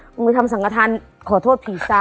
มึงได้มาทำสังกระทานขอโทษผีซ้า